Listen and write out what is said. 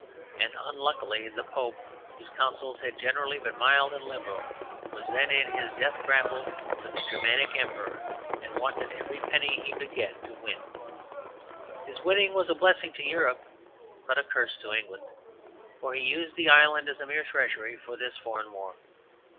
And unluckily the Pope, whose counsels had generally been mild and liberal, was then in his death grapple with the Germanic Emperor and wanted every penny he could get to win. His winning was a blessing to Europe, but a curse to England, for he used the island as a mere treasury for this foreign war.